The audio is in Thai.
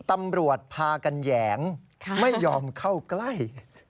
ตำรวจพากันแหยงไม่ยอมเข้าใกล้